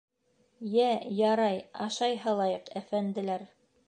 ...Йә, ярай, ашай һалайыҡ, әфәнделәр.